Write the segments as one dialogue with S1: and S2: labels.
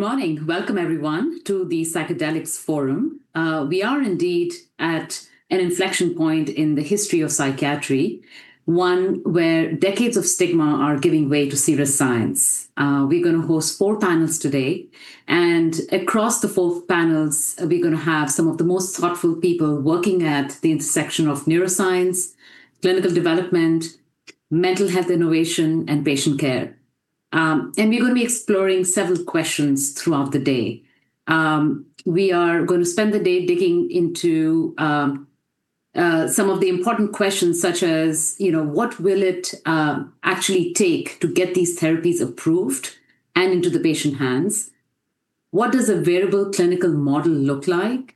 S1: Good morning. Welcome everyone to the Psychedelics Forum. We are indeed at an inflection point in the history of psychiatry, one where decades of stigma are giving way to serious science. We're gonna host four panels today, across the four panels, we're gonna have some of the most thoughtful people working at the intersection of neuroscience, clinical development, mental health innovation, and patient care. We're gonna be exploring several questions throughout the day. We are gonna spend the day digging into some of the important questions such as, you know, what will it actually take to get these therapies approved and into the patient hands? What does a variable clinical model look like?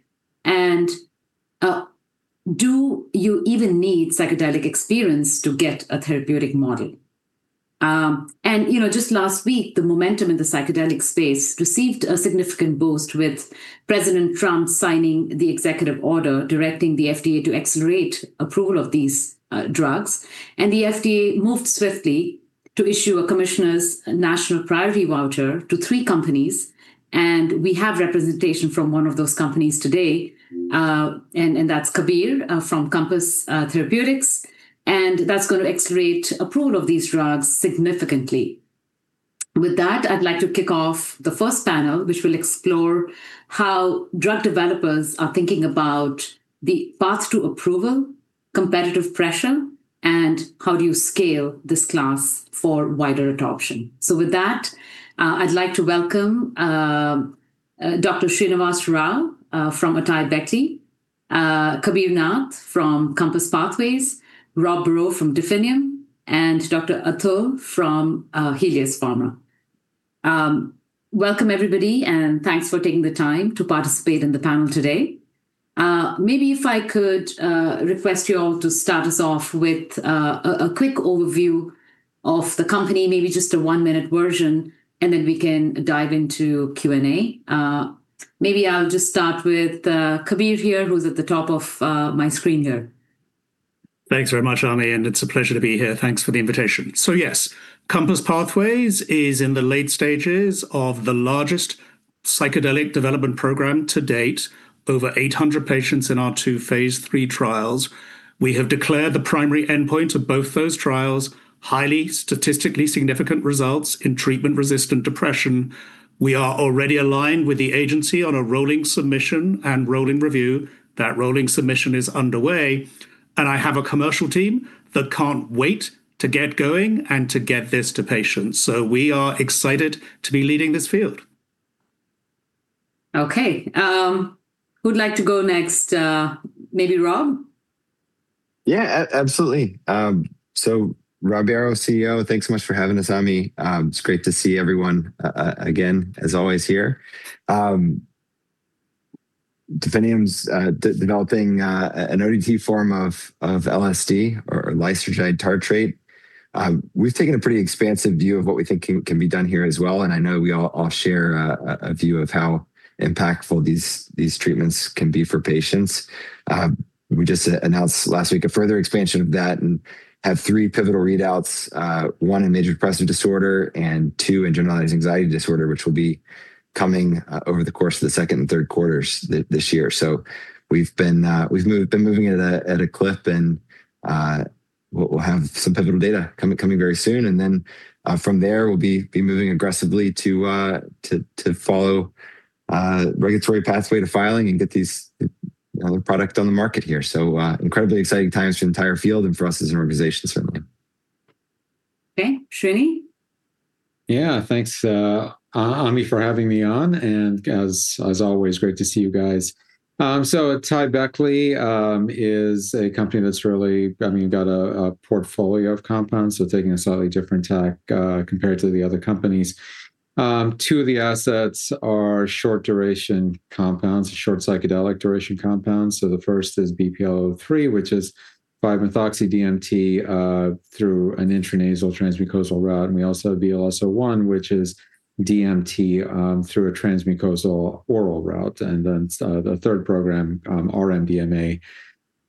S1: Do you even need psychedelic experience to get a therapeutic model? You know, just last week, the momentum in the psychedelic space received a significant boost with President Trump signing the Executive Order, directing the FDA to accelerate approval of these drugs. The FDA moved swiftly to issue a Commissioner's National Priority Voucher to three companies, and we have representation from one of those companies today, and that's Kabir from COMPASS Therapeutics, and that's gonna accelerate approval of these drugs significantly. With that, I'd like to kick off the first panel, which will explore how drug developers are thinking about the path to approval, competitive pressure, and how do you scale this class for wider adoption. With that, I'd like to welcome Dr. Srinivas Rao from AtaiBeckley, Kabir Nath from COMPASS Pathways, Rob Barrow from Definium, and Dr. Atul from Helus Pharma. Welcome everybody, and thanks for taking the time to participate in the panel today. Maybe if I could request you all to start us off with a quick overview of the company, maybe just a one-minute version, and then we can dive into Q&A. Maybe I'll just start with Kabir here, who's at the top of my screen here.
S2: Thanks very much, Ami. It's a pleasure to be here. Thanks for the invitation. Yes, COMPASS Pathways is in the late stages of the largest psychedelic development program to-date. Over 800 patients in our two phase III trials. We have declared the primary endpoint of both those trials, highly statistically significant results in treatment-resistant depression. We are already aligned with the agency on a rolling submission and rolling review. That rolling submission is underway. I have a commercial team that can't wait to get going and to get this to patients. We are excited to be leading this field.
S1: Okay, who'd like to go next? Maybe Rob?
S3: Yeah, absolutely. Rob Barrow, CEO. Thanks so much for having us, Ami. It's great to see everyone again as always here. Definium's developing an ODT form of LSD or lysergide tartrate. We've taken a pretty expansive view of what we think can be done here as well, and I know we all share a view of how impactful these treatments can be for patients. We just announced last week a further expansion of that and have three pivotal readouts, one in major depressive disorder and two in generalized anxiety disorder, which will be coming over the course of the second and third quarters this year. We've been moving at a clip and we'll have some pivotal data coming very soon. From there we'll be moving aggressively to follow regulatory pathway to filing and get these, well, product on the market here. Incredibly exciting times for the entire field and for us as an organization certainly.
S1: Okay. Srini?
S4: Thanks, Ami, for having me on and as always, great to see you guys. AtaiBeckley is a company that's really got a portfolio of compounds, taking a slightly different tack compared to the other companies. Two of the assets are short duration compounds, short psychedelic duration compounds. The first is BPL-003, which is 5-methoxy-DMT through an intranasal transmucosal route. We also have VLS-01, which is DMT through a transmucosal oral route. The third program, R-MDMA.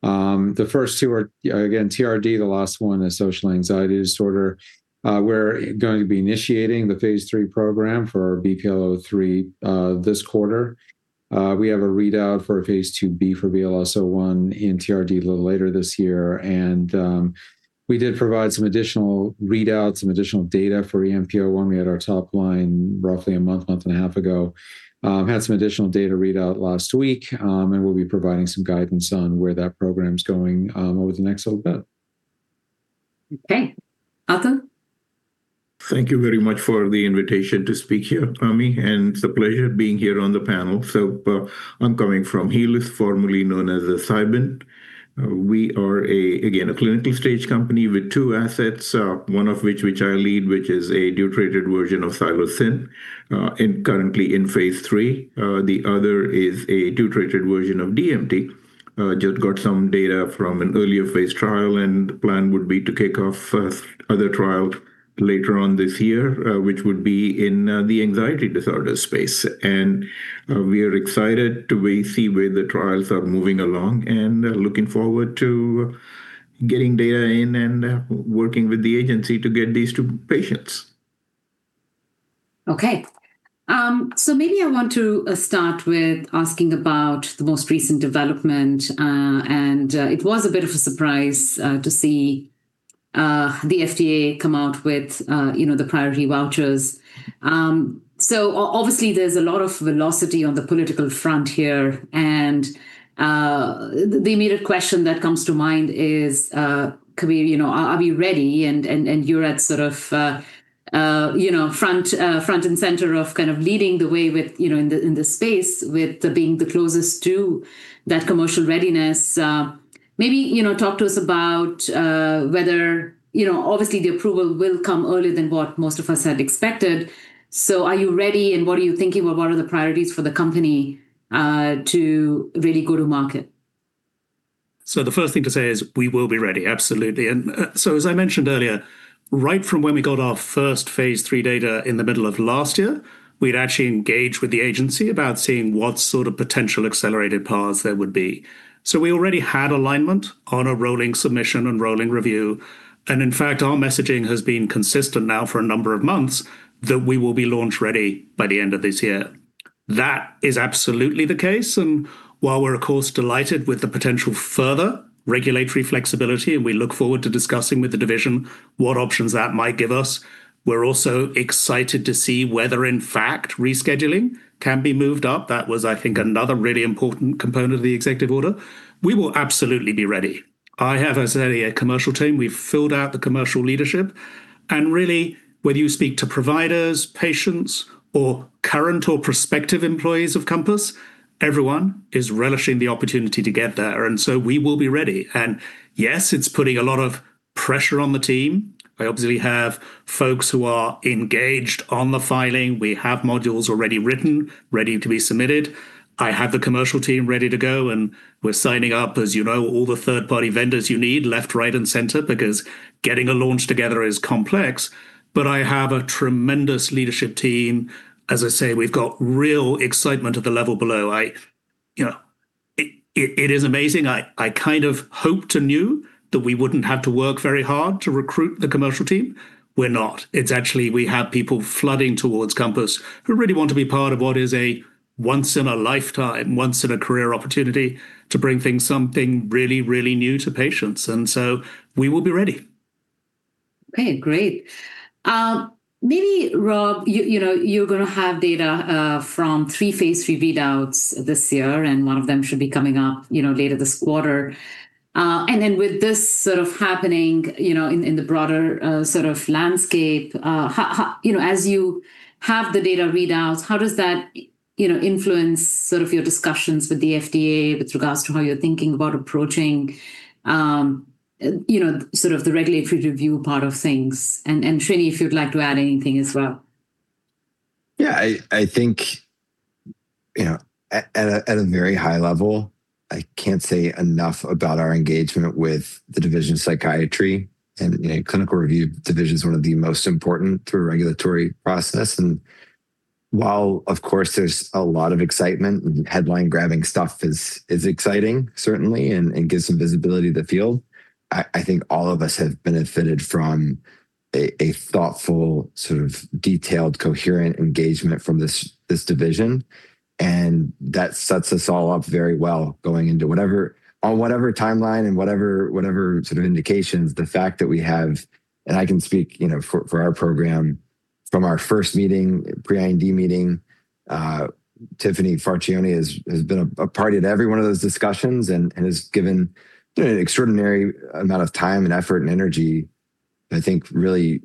S4: The first two are TRD. The last one is social anxiety disorder. We're going to be initiating the phase III program for BPL-003 this quarter. We have a readout for a phase II-B for VLS-01 in TRD a little later this year. We did provide some additional readouts, some additional data for EMP-01 when we had our top line roughly a month and a half ago. Had some additional data readout last week, and we'll be providing some guidance on where that program's going over the next little bit.
S1: Okay. Atul?
S5: Thank you very much for the invitation to speak here, Ami, and it's a pleasure being here on the panel. I'm coming from Helus, formerly known as Cybin. We are a, again, a clinical stage company with two assets, one of which I lead, which is a deuterated version of psilocin, currently in phase III. The other is a deuterated version of DMT. Just got some data from an earlier phase trial, and the plan would be to kick off first other trial later on this year, which would be in the anxiety disorder space. We are excited to see where the trials are moving along and looking forward to getting data in and working with the agency to get these to patients.
S1: Okay. Maybe I want to start with asking about the most recent development, and it was a bit of a surprise to see the FDA come out with, you know, the Priority Vouchers. Obviously there's a lot of velocity on the political front here, and the immediate question that comes to mind is, could we, you know, are we ready? And you're at sort of, you know, front and center of kind of leading the way with, you know, in the space with the being the closest to that commercial readiness. Maybe, you know, talk to us about whether, you know, obviously, the approval will come earlier than what most of us had expected. Are you ready, and what are you thinking, or what are the priorities for the company, to really go to market?
S2: The first thing to say is we will be ready. Absolutely. As I mentioned earlier, right from when we got our first phase III data in the middle of last year, we'd actually engaged with the Agency about seeing what sort of potential accelerated paths there would be. We already had alignment on a rolling submission and rolling review. In fact, our messaging has been consistent now for a number of months that we will be launch ready by the end of this year. That is absolutely the case, and while we're of course delighted with the potential further regulatory flexibility, and we look forward to discussing with the Division what options that might give us, we're also excited to see whether in fact rescheduling can be moved up. That was, I think, another really important component of the executive order. We will absolutely be ready. I have, as I said, a commercial team. We've filled out the commercial leadership. Really, whether you speak to providers, patients, or current or prospective employees of COMPASS, everyone is relishing the opportunity to get there. So we will be ready. Yes, it's putting a lot of pressure on the team. I obviously have folks who are engaged on the filing. We have modules already written, ready to be submitted. I have the commercial team ready to go, and we're signing up, as you know, all the third-party vendors you need left, right, and center because getting a launch together is complex. I have a tremendous leadership team. As I say, we've got real excitement at the level below. You know, it is amazing. I kind of hoped and knew that we wouldn't have to work very hard to recruit the commercial team. We're not. It's actually, we have people flooding towards COMPASS who really want to be part of what is a once in a lifetime, once in a career opportunity to bring something really, really new to patients. We will be ready.
S1: Okay. Great. maybe, Rob, you know, you're gonna have data from three phase III readouts this year, and one of them should be coming up, you know, later this quarter. With this sort of happening, you know, in the broader, sort of landscape, You know, as you have the data readouts, how does that, you know, influence sort of your discussions with the FDA with regards to how you're thinking about approaching, you know, sort of the regulatory review part of things? Srini if you'd like to add anything as well.
S3: Yeah. I think, you know, at a very high level, I can't say enough about our engagement with the Division of Psychiatry and, you know, Clinical Review Division is one of the most important through regulatory process. While of course there's a lot of excitement and headline grabbing stuff is exciting certainly and gives some visibility to the field, I think all of us have benefited from a thoughtful, sort of detailed, coherent engagement from this division, and that sets us all up very well going into whatever on whatever timeline and whatever sort of indications, the fact that we have. I can speak, you know, for our program from our first meeting, pre-IND meeting, Tiffany Farchione has been a party to every one of those discussions and has given, you know, an extraordinary amount of time and effort and energy. I think really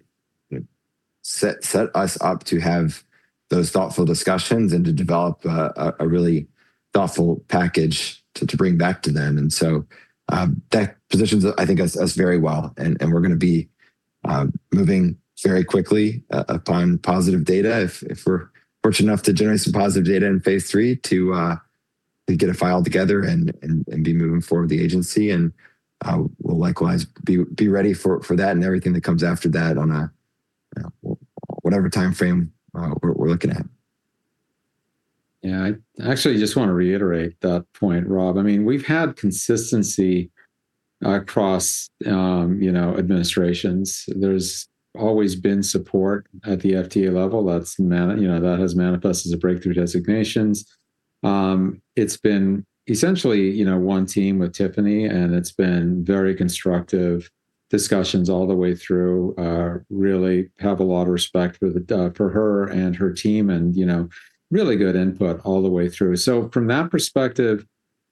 S3: set us up to have those thoughtful discussions and to develop a really thoughtful package to bring back to them. That positions, I think, us very well and we're gonna be moving very quickly upon positive data. If we're fortunate enough to generate some positive data in phase III to get a file together and be moving forward with the agency, and we'll likewise be ready for that and everything that comes after that on a, you know, whatever timeframe, we're looking at.
S4: Yeah. I actually just want to reiterate that point, Rob. I mean, we've had consistency across, you know, administrations. There's always been support at the FDA level that's, you know, that has manifested as a Breakthrough designations. It's been essentially, you know, one team with Tiffany, and it's been very constructive discussions all the way through. Really have a lot of respect for her and her team and, you know, really good input all the way through. From that perspective,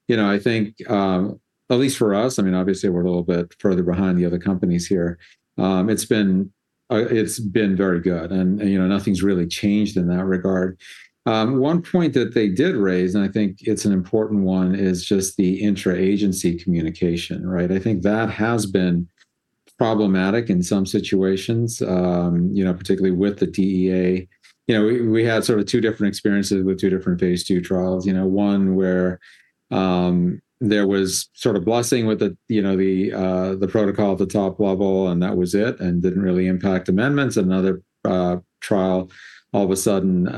S4: you know, I think, at least for us, I mean, obviously we're a little bit further behind the other companies here. It's been very good and, you know, nothing's really changed in that regard. One point that they did raise, and I think it's an important one, is just the intra-agency communication, right? I think that has been problematic in some situations, you know, particularly with the DEA. You know, we had sort of two different experiences with two different phase II trials, you know. One where there was sort of blessing with the, you know, the protocol at the top level, and that was it and didn't really impact amendments. Another trial, all of a sudden,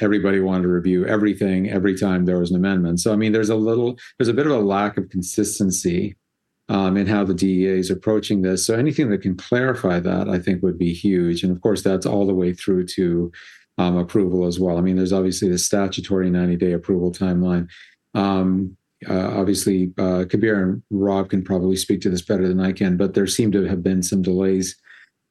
S4: everybody wanted to review everything every time there was an amendment. I mean, there's a bit of a lack of consistency. And how the DEA is approaching this. Anything that can clarify that, I think would be huge. Of course, that's all the way through to approval as well. I mean, there's obviously the statutory 90-day approval timeline. Obviously, Kabir and Rob can probably speak to this better than I can, but there seem to have been some delays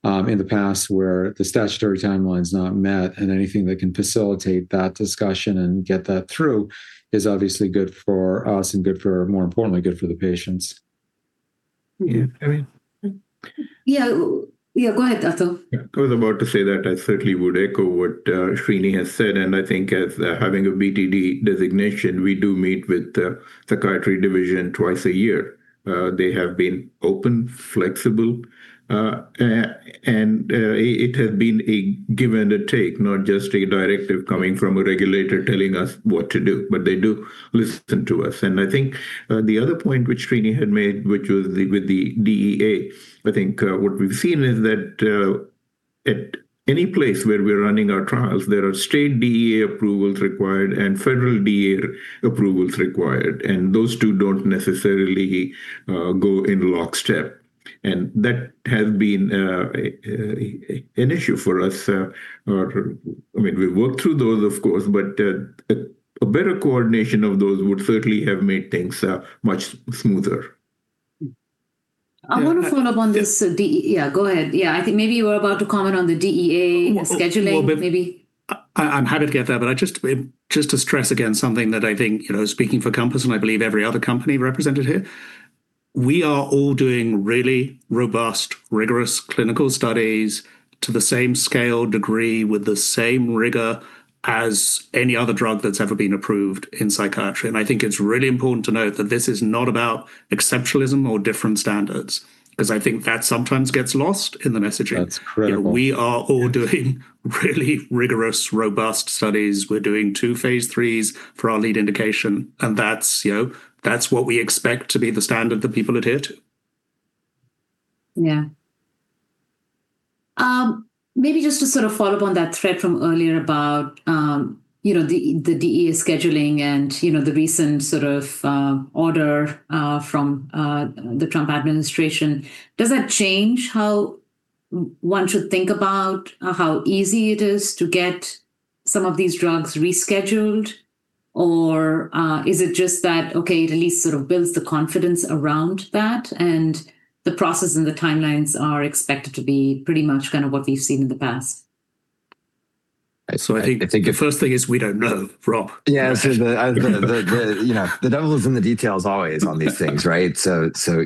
S4: in the past where the statutory timeline's not met, and anything that can facilitate that discussion and get that through is obviously good for us and more importantly, good for the patients.
S5: Yeah. I mean.
S1: Yeah. Yeah. Go ahead, Atul.
S5: Yeah. I was about to say that I certainly would echo what Srini has said. I think as having a BTD designation, we do meet with the Division of Psychiatry twice a year. They have been open, flexible, and it has been a give and a take, not just a directive coming from a regulator telling us what to do, but they do listen to us. I think the other point which Srini had made, which was with the DEA, I think what we've seen is that at any place where we're running our trials, there are state DEA approvals required and Federal DEA approvals required, and those two don't necessarily go in lockstep. That has been an issue for us. I mean, we work through those, of course, but a better coordination of those would certainly have made things much smoother.
S1: I want to follow up on this.
S5: Yeah.
S1: Yeah, go ahead. Yeah. I think maybe you were about to comment on the DEA scheduling, maybe.
S2: I'm happy to get there, but I just to stress again something that I think, you know, speaking for COMPASS, and I believe every other company represented here, we are all doing really robust, rigorous clinical studies to the same scale degree with the same rigor as any other drug that's ever been approved in psychiatry. I think it's really important to note that this is not about exceptionalism or different standards, 'cause I think that sometimes gets lost in the messaging.
S4: That's critical.
S2: You know, we are all doing really rigorous, robust studies. We're doing two phase III for our lead indication, that's, you know, that's what we expect to be the standard that people adhere to.
S1: Yeah. Maybe just to sort of follow up on that thread from earlier about, you know, the DEA scheduling and, you know, the recent sort of order from the Trump administration, does that change how one should think about how easy it is to get some of these drugs rescheduled? Or is it just that, okay, it at least sort of builds the confidence around that and the process and the timelines are expected to be pretty much kind of what we've seen in the past?
S4: So I think-
S2: I think the first thing is we don't know. Rob.
S3: Yeah. The, you know, the devil is in the details always on these things, right?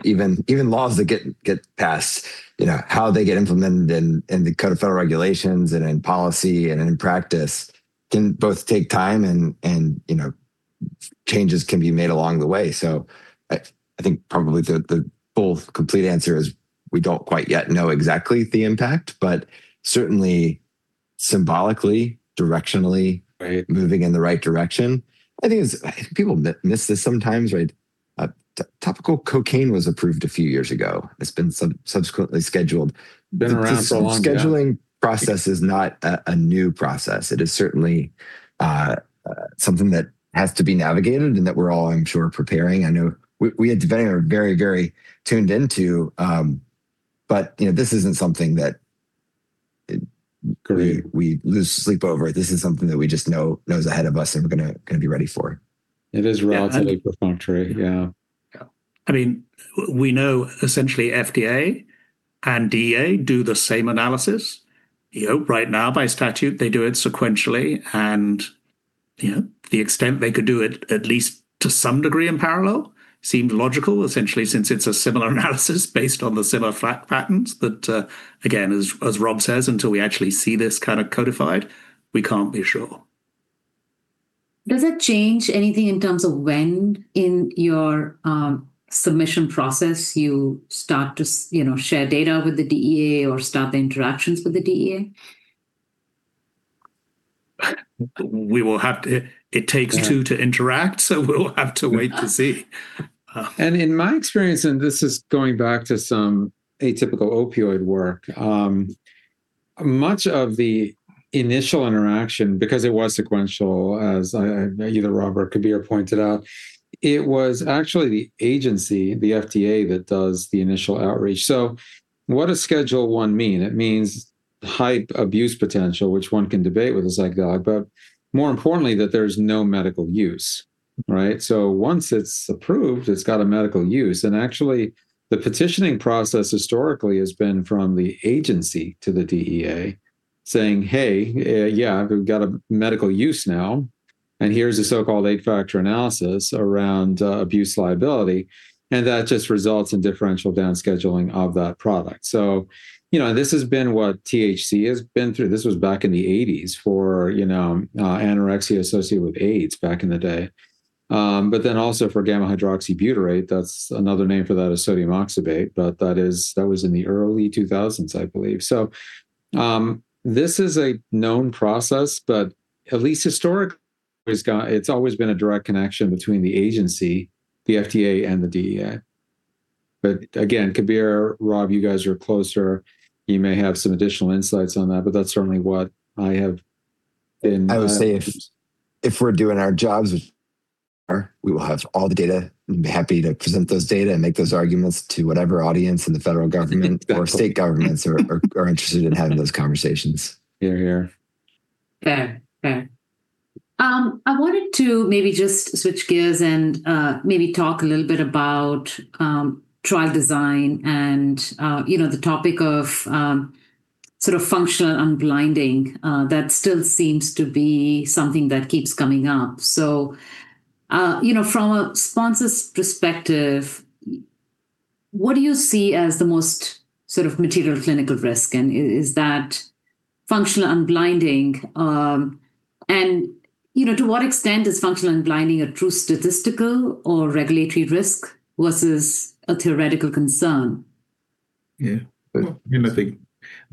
S3: Even laws that get passed, you know, how they get implemented in the Code of Federal Regulations and in policy and in practice can both take time and, you know, changes can be made along the way. I think probably the full complete answer is we don't quite yet know exactly the impact, but certainly symbolically, directionally,
S2: Right
S3: moving in the right direction. I think people miss this sometimes, right? Topical cocaine was approved a few years ago. It's been subsequently scheduled.
S2: Been around for long, yeah.
S3: The scheduling process is not a new process. It is certainly something that has to be navigated and that we're all, I'm sure, preparing. I know we at [Definium] are very, very tuned into.
S2: Agreed
S3: We lose sleep over. This is something that we just know is ahead of us, and we're gonna be ready for.
S4: It is relatively perfunctory. Yeah.
S3: Yeah.
S2: I mean, we know essentially FDA and DEA do the same analysis. You know, right now, by statute, they do it sequentially. You know, the extent they could do it, at least to some degree in parallel, seemed logical essentially since it's a similar analysis based on the similar fa-patterns. Again, as Rob says, until we actually see this kinda codified, we can't be sure.
S1: Does it change anything in terms of when in your submission process you start to you know, share data with the DEA or start the interactions with the DEA?
S2: It takes two to interact, so we'll have to wait to see.
S4: In my experience, and this is going back to some atypical opioid work, much of the initial interaction, because it was sequential, as Rob or Kabir pointed out, it was actually the agency, the FDA, that does the initial outreach. What does Schedule I mean? It means high abuse potential, which one can debate with a psych doc, but more importantly, that there's no medical use, right? Once it's approved, it's got a medical use. Actually, the petitioning process historically has been from the agency to the DEA saying Hey, yeah, we've got a medical use now, and here's a so-called eight-factor analysis around abuse liability, and that just results in differential down scheduling of that product. You know, this has been what THC has been through. This was back in the 1980's for, you know, anorexia associated with AIDS back in the day. Also for gamma-hydroxybutyrate, that's another name for that is sodium oxybate, but that was in the early 2000s, I believe. This is a known process, but at least historically, it's always been a direct connection between the agency, the FDA, and the DEA. Kabir, Rob, you guys are closer. You may have some additional insights on that, but that's certainly what I have.
S3: I would say if we're doing our jobs, which we are, we will have all the data. Happy to present those data and make those arguments to whatever audience in the Federal government. or state governments are interested in having those conversations.
S4: Hear, hear.
S1: Fair. Fair. I wanted to maybe just switch gears and maybe talk a little bit about trial design and, you know, the topic of sort of functional unblinding that still seems to be something that keeps coming up. You know, from a sponsor's perspective, what do you see as the most sort of material clinical risk, and is that functional unblinding? You know, to what extent is functional unblinding a true statistical or regulatory risk versus a theoretical concern?
S4: Yeah.
S5: I think,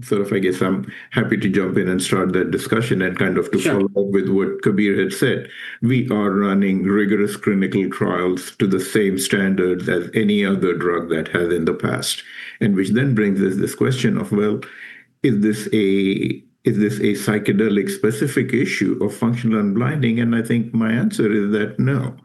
S5: sort of I guess I'm happy to jump in and start that discussion and kind of
S1: Sure
S5: follow up with what Kabir had said. We are running rigorous clinical trials to the same standards as any other drug that has in the past. Which then brings us this question of, well, is this a psychedelic specific issue of functional unblinding? I think my answer is that no.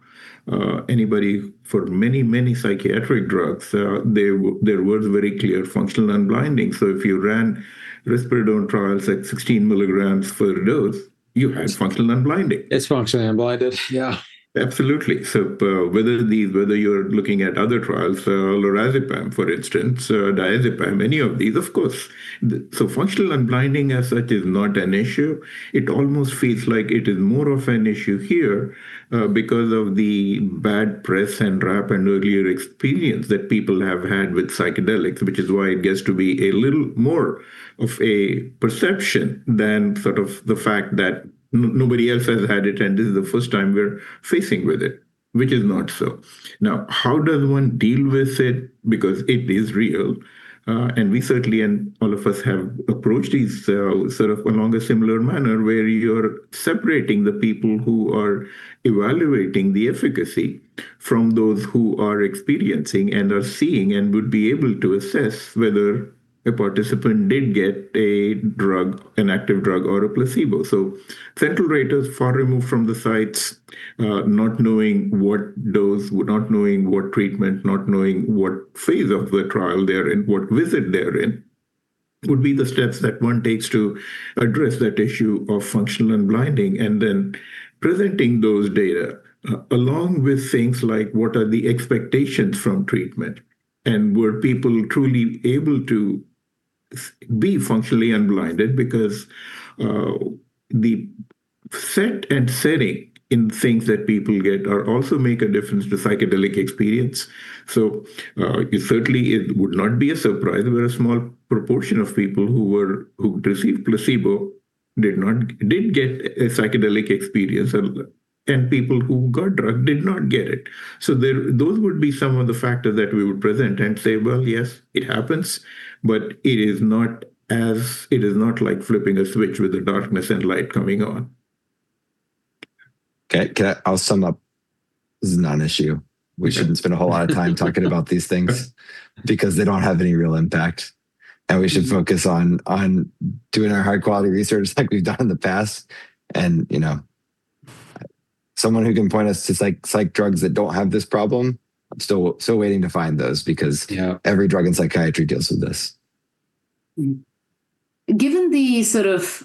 S5: Anybody, for many, many psychiatric drugs, there was very clear functional unblinding. So if you ran risperidone trials at 16 milligrams per dose, you had functional unblinding.
S4: It's functionally unblinded, yeah.
S5: Absolutely. Whether you're looking at other trials, lorazepam for instance, diazepam, any of these, of course. The functional unblinding as such is not an issue. It almost feels like it is more of an issue here, because of the bad press and rap and earlier experience that people have had with psychedelics, which is why it gets to be a little more of a perception than sort of the fact that nobody else has had it and this is the first time we're facing with it, which is not so. Now, how does one deal with it? It is real, and we certainly, and all of us have approached these, sort of along a similar manner, where you're separating the people who are evaluating the efficacy from those who are experiencing and are seeing and would be able to assess whether a participant did get a drug, an active drug or a placebo. Central raters far removed from the sites, not knowing what dose, not knowing what treatment, not knowing what phase of the trial they're in, what visit they're in, would be the steps that one takes to address that issue of functional unblinding. Presenting those data, along with things like what are the expectations from treatment, and were people truly able to be functionally unblinded, because the set and setting in things that people get are also make a difference to psychedelic experience. it certainly, it would not be a surprise where a small proportion of people who were, who received placebo didn't get a psychedelic experience and people who got drug did not get it. There, those would be some of the factors that we would present and say, Well, yes, it happens, but it is not as, it is not like flipping a switch with the darkness and light coming on.
S3: Okay. I'll sum up. This is not an issue. We shouldn't spend a whole lot of time talking about these things because they don't have any real impact, and we should focus on doing our high quality research like we've done in the past. You know, someone who can point us to psych drugs that don't have this problem, I'm still waiting to find those.
S4: Yeah
S3: Every drug in psychiatry deals with this.
S1: Given the sort of,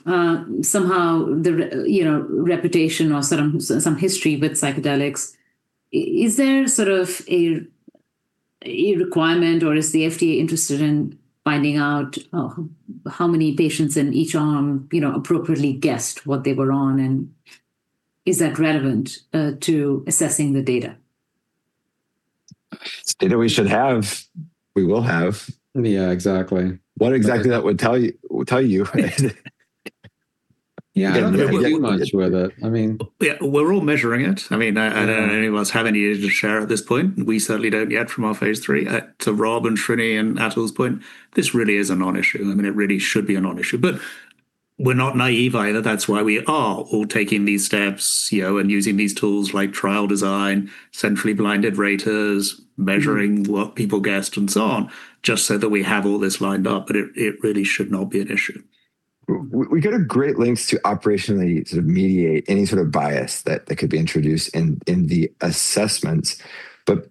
S1: somehow the you know, reputation or sort of some history with psychedelics, is there sort of a requirement or is the FDA interested in finding out, how many patients in each arm, you know, appropriately guessed what they were on, and is that relevant, to assessing the data?
S3: It's data we should have. We will have.
S4: Yeah, exactly.
S3: What exactly that would tell you? Yeah.
S4: I don't think it would be much with it.
S2: Yeah. We're all measuring it. I mean, I don't know anyone else have any to share at this point. We certainly don't yet from our phase III. To Rob and Srini and Atul's point, this really is a non-issue. I mean, it really should be a non-issue. We're not naive either. That's why we are all taking these steps, you know, and using these tools like trial design, centrally blinded raters, measuring what people guessed and so on, just so that we have all this lined up, but it really should not be an issue.
S3: We go to great lengths to operationally sort of mediate any sort of bias that could be introduced in the assessments.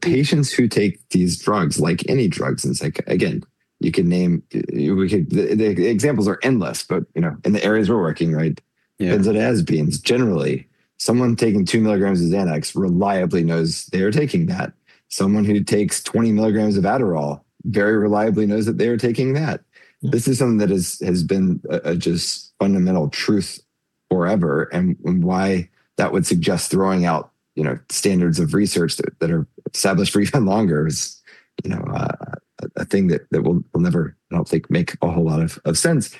S3: Patients who take these drugs, like any drugs, and psych, again, you can name, you know. The examples are endless, you know, in the areas we're working, right?
S4: Yeah.
S3: Benzodiazepines, generally. Someone taking 2 mg of Xanax reliably knows they are taking that. Someone who takes 20 mg of Adderall very reliably knows that they are taking that. This is something that has been a just fundamental truth forever and why that would suggest throwing out, you know, standards of research that are established for even longer is, you know, a thing that will never, I don't think, make a whole lot of sense.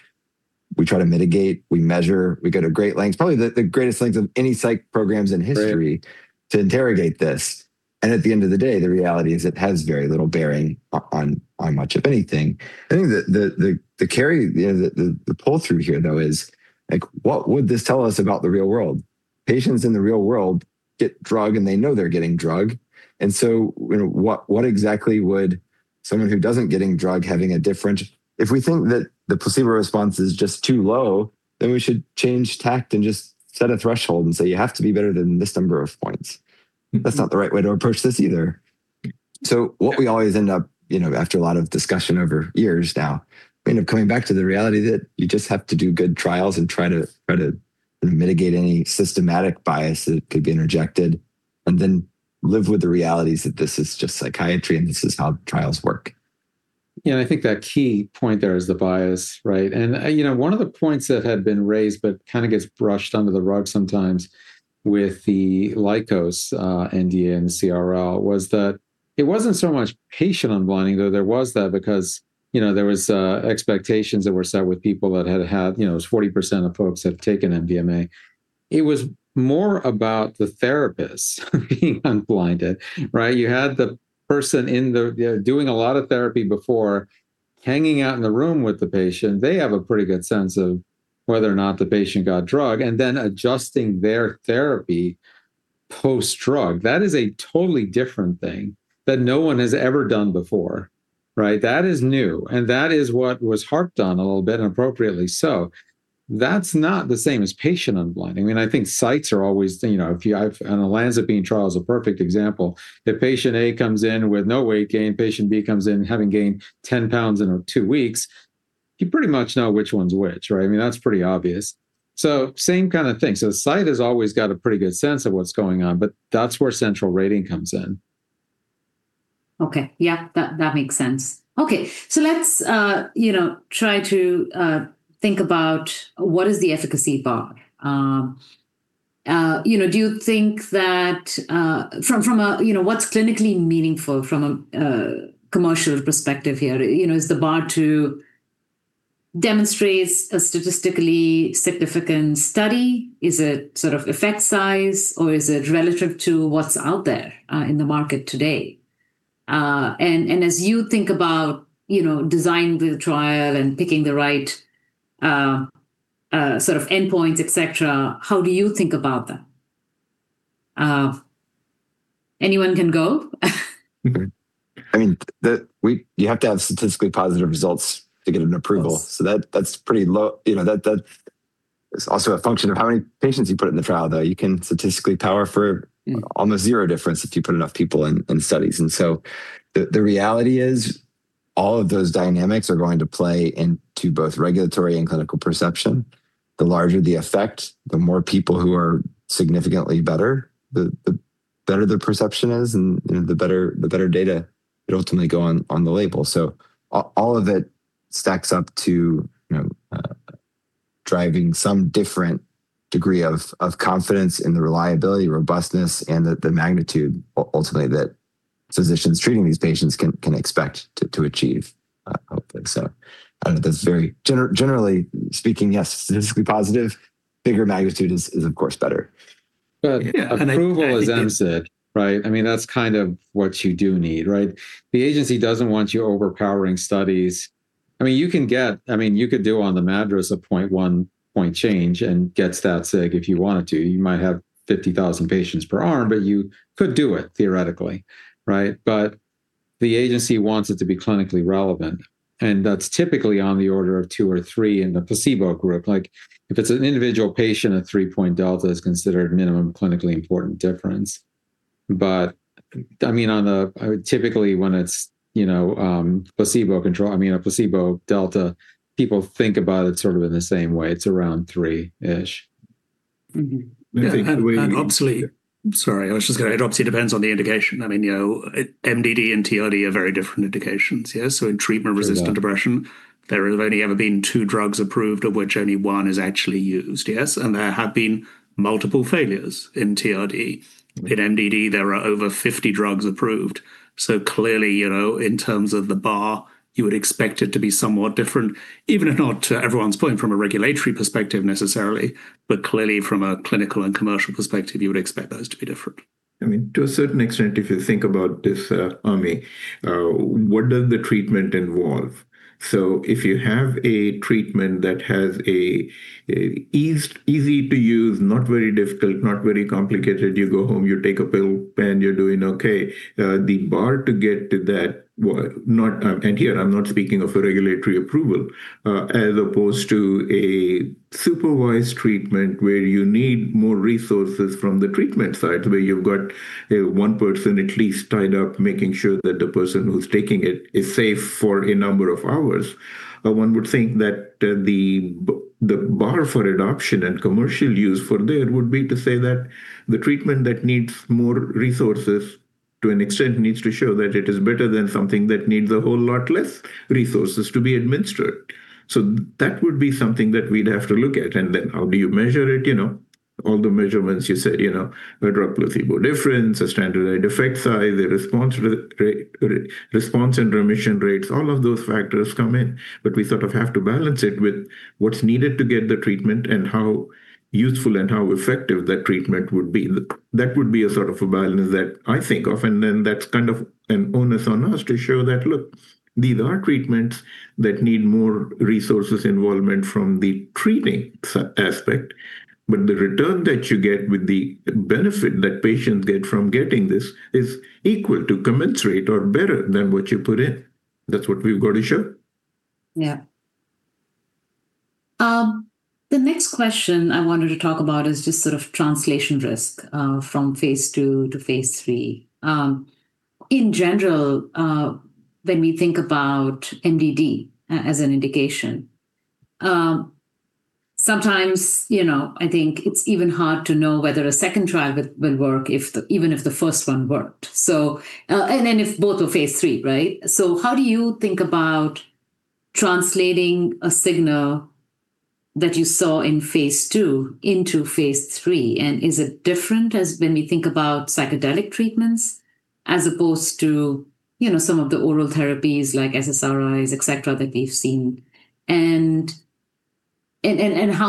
S3: We try to mitigate, we measure, we go to great lengths, probably the greatest lengths of any psych programs in history-
S4: Right
S3: to interrogate this. At the end of the day, the reality is it has very little bearing on much of anything. I think the carry, the pull through here, though, is, like, what would this tell us about the real world? Patients in the real world get drugged, and they know they're getting drugged, you know, what exactly would Someone who doesn't getting drugged having a different... If we think that the placebo response is just too low, we should change tack and just set a threshold and say, You have to be better than this number of points. That's not the right way to approach this either. What we always end up, you know, after a lot of discussion over years now, we end up coming back to the reality that you just have to do good trials and try to mitigate any systematic bias that could be interjected, and then live with the realities that this is just psychiatry and this is how trials work.
S4: Yeah, I think that key point there is the bias, right? You know, one of the points that had been raised but kind of gets brushed under the rug sometimes with the Lykos NDA and the CRL was that it wasn't so much patient unblinding, though there was that because, you know, there was expectations that were set with people that had. You know, it was 40% of folks had taken MDMA. It was more about the therapists being unblinded, right? You had the person in the doing a lot of therapy before hanging out in the room with the patient. They have a pretty good sense of whether or not the patient got drug, and then adjusting their therapy post-drug. That is a totally different thing that no one has ever done before, right? That is new, and that is what was harped on a little bit inappropriately so. That's not the same as patient unblinding. I mean, I think sites are always. You know, and the olanzapine trial is a perfect example. If patient A comes in with no weight gain, patient B comes in having gained 10 lbs in two weeks, you pretty much know which one's which, right? I mean, that's pretty obvious. Same kind of thing. The site has always got a pretty good sense of what's going on, but that's where central rating comes in.
S1: Okay. Yeah. That, that makes sense. Okay. Let's, you know, try to think about what is the efficacy bar. You know, do you think that, you know, what's clinically meaningful from a commercial perspective here? You know, is the bar to demonstrate a statistically significant study? Is it sort of effect size, or is it relative to what's out there in the market today? As you think about, you know, designing the trial and picking the right sort of endpoints, et cetera, how do you think about that? Anyone can go.
S3: I mean, You have to have statistically positive results to get an approval.
S4: Yes.
S3: That's pretty low. You know, that is also a function of how many patients you put in the trial, though. You can statistically power for almost zero difference if you put enough people in studies. The reality is all of those dynamics are going to play into both regulatory and clinical perception. The larger the effect, the more people who are significantly better, the better the perception is and, you know, the better data it'll ultimately go on the label. All of it stacks up to, you know, driving some different degree of confidence in the reliability, robustness, and the magnitude ultimately that physicians treating these patients can expect to achieve, hopefully. I don't know if that's very. Generally speaking, yes, statistically positive, bigger magnitude is of course better.
S4: Approval, as Ami said, right? I mean, that's kind of what you do need, right? The agency doesn't want you overpowering studies. I mean, you could do on the MADRS a 0.1 point change and get stat sig if you wanted to. You might have 50,000 patients per arm, you could do it theoretically, right? The agency wants it to be clinically relevant, and that's typically on the order of two or three in the placebo group. Like, if it's an individual patient, a 3-point delta is considered minimum clinically important difference. I mean, Typically, when it's, you know, a placebo delta, people think about it sort of in the same way. It's around 3-ish.
S3: Mm-hmm.
S4: Anything-
S2: It obviously depends on the indication. I mean, you know, MDD and TRD are very different indications, yes? there have only ever been two drugs approved, of which only one is actually used, yes? There have been multiple failures in TRD.
S4: Mm-hmm.
S2: In MDD, there are over 50 drugs approved. Clearly, you know, in terms of the bar, you would expect it to be somewhat different, even if not to everyone's point from a regulatory perspective necessarily. Clearly from a clinical and commercial perspective, you would expect those to be different.
S5: I mean, to a certain extent, if you think about this, Ami, what does the treatment involve? If you have a treatment that has a easy to use, not very difficult, not very complicated, you go home, you take a pill, and you're doing okay. Here, I'm not speaking of a regulatory approval, as opposed to a supervised treatment where you need more resources from the treatment side, where you've got one person at least tied up making sure that the person who's taking it is safe for a number of hours. One would think that the bar for adoption and commercial use for there would be to say that the treatment that needs more resources, to an extent, needs to show that it is better than something that needs a whole lot less resources to be administered. That would be something that we'd have to look at. How do you measure it? You know, all the measurements you said, you know, a drug-placebo difference, a standardized effect size, the response response and remission rates, all of those factors come in. We sort of have to balance it with what's needed to get the treatment and how useful and how effective that treatment would be. That would be a sort of a balance that I think of. That's kind of an onus on us to show that, look, these are treatments that need more resources involvement from the treating aspect. The return that you get with the benefit that patients get from getting this is equal to commensurate or better than what you put in. That's what we've got to show.
S1: Yeah. The next question I wanted to talk about is just sort of translation risk from phase II to phase III. In general, when we think about MDD as an indication, sometimes, you know, I think it's even hard to know whether a second trial will work even if the first one worked. If both are phase III, right? How do you think about translating a signal that you saw in phase II into phase III? Is it different as when we think about psychedelic treatments as opposed to, you know, some of the oral therapies like SSRIs, et cetera, that we've seen? How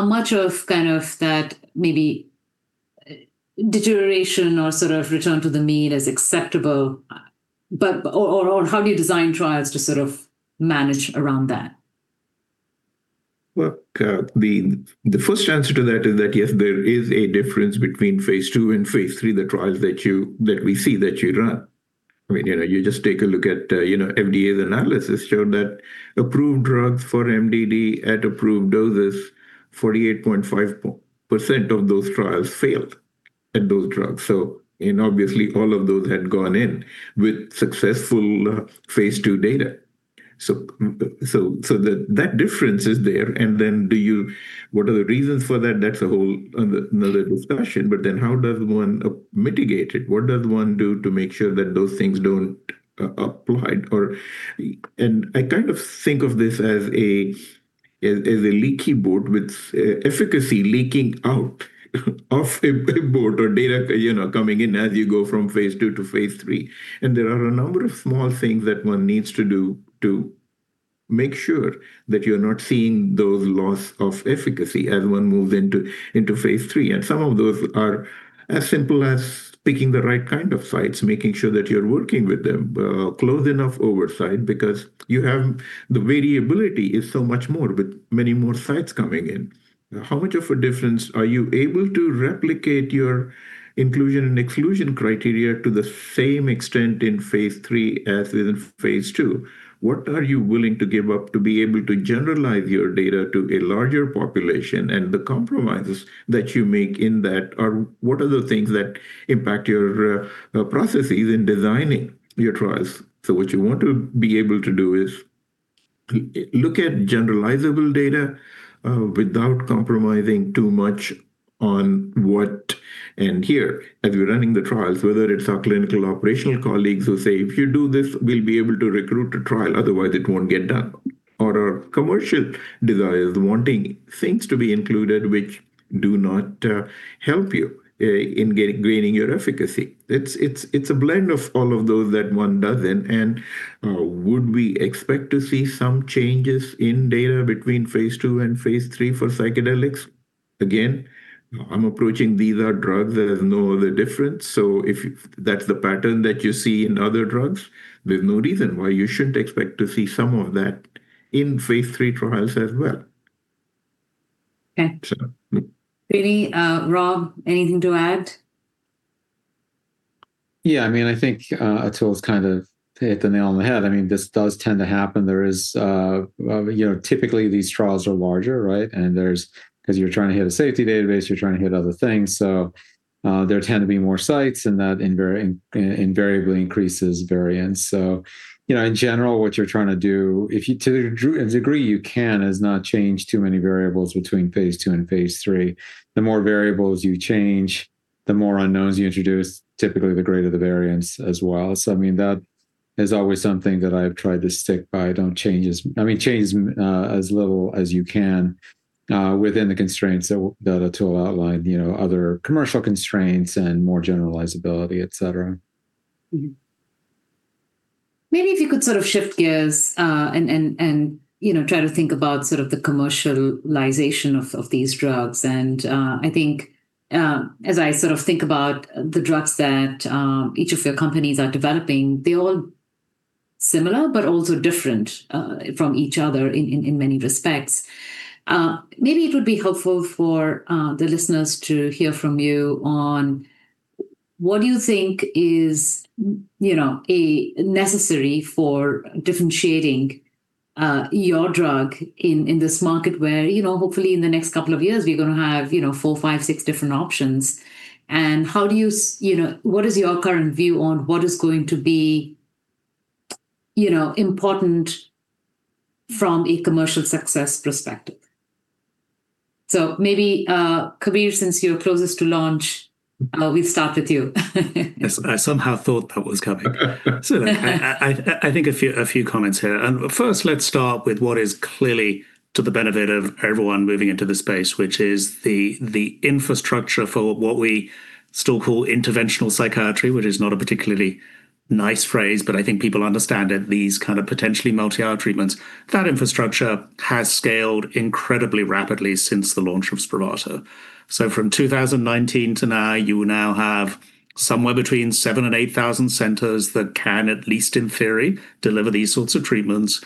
S1: much of kind of that maybe deterioration or sort of return to the mean is acceptable, but or how do you design trials to sort of manage around that?
S5: Well, the first answer to that is that, yes, there is a difference between phase II and phase III, the trials that we see that you run. I mean, you know, you just take a look at, you know, FDA's analysis showed that approved drugs for MDD at approved doses, 48.5% of those trials failed at those drugs. Obviously, all of those had gone in with successful phase II data. That difference is there. What are the reasons for that? That's a whole another discussion. How does one mitigate it? What does one do to make sure that those things don't apply? I kind of think of this as a leaky boat with efficacy leaking out of a boat or data, you know, coming in as you go from phase II to phase III. There are a number of small things that one needs to do to make sure that you're not seeing those loss of efficacy as one moves into phase III. Some of those are as simple as picking the right kind of sites, making sure that you're working with them, close enough oversight because you have the variability is so much more with many more sites coming in. How much of a difference are you able to replicate your inclusion and exclusion criteria to the same extent in phase III as in phase II? What are you willing to give up to be able to generalize your data to a larger population? The compromises that you make in that are what are the things that impact your processes in designing your trials. What you want to be able to do is look at generalizable data without compromising too much on what and here. As we're running the trials, whether it's our clinical operational colleagues who say, If you do this, we'll be able to recruit a trial, otherwise it won't get done. Or our commercial desires wanting things to be included which do not help you in gaining your efficacy. It's a blend of all of those that one does then. Would we expect to see some changes in data between phase II and phase III for psychedelics? I'm approaching these are drugs. There's no other difference. If that's the pattern that you see in other drugs, there's no reason why you shouldn't expect to see some of that in phase III trials as well.
S1: Okay.
S5: So.
S1: Srini, Rob, anything to add?
S4: Yeah. I mean, I think Atul's kind of hit the nail on the head. I mean, this does tend to happen. There is, you know, typically these trials are larger, right? 'Cause you're trying to hit a safety database, you're trying to hit other things. There tend to be more sites, and that invariably increases variance. You know, in general, what you're trying to do, if you to a degree you can, is not change too many variables between phase II and phase III. The more variables you change, the more unknowns you introduce, typically the greater the variance as well. I mean, that is always something that I've tried to stick by. I mean, change as little as you can within the constraints that Atul outlined, you know, other commercial constraints and more generalizability, et cetera.
S1: Maybe if you could sort of shift gears, you know, try to think about sort of the commercialization of these drugs. I think as I sort of think about the drugs that each of your companies are developing, they're all similar but also different from each other in many respects. Maybe it would be helpful for the listeners to hear from you on what do you think is, you know, a necessary for differentiating your drug in this market where, you know, hopefully in the next two years we're gonna have, you know, four, five, six, different options? How do you know, what is your current view on what is going to be, you know, important from a commercial success perspective? maybe, Kabir, since you're closest to launch.
S2: Mm-hmm.
S1: We'll start with you.
S2: Yes. I somehow thought that was coming. I think a few comments here. First, let's start with what is clearly to the benefit of everyone moving into this space, which is the infrastructure for what we still call interventional psychiatry, which is not a particularly nice phrase, but I think people understand it, these kind of potentially multi-R treatments. That infrastructure has scaled incredibly rapidly since the launch of Spravato. From 2019 to now, you now have somewhere between 7,000 and 8,000 centers that can, at least in theory, deliver these sorts of treatments.